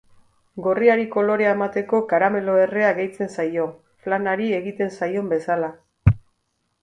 Gorriari kolorea emateko karamelo errea gehitzen zaio, flanari egiten zaion bezala.